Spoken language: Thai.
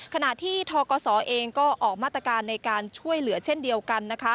ขณะที่ทกศเองก็ออกมาตรการในการช่วยเหลือเช่นเดียวกัน